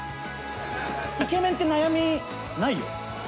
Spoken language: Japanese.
イケメンって悩みないよ。